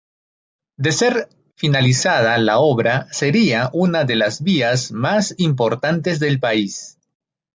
De ser finalizada la obra sería una de las vías más importantes del país.